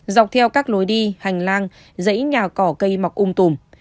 dọc theo các lối đi hành lang dãy nhà cỏ cây mọc ung tùm